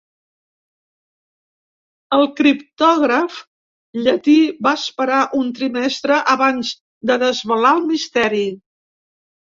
El criptògraf llatí va esperar un trimestre abans de desvelar el misteri.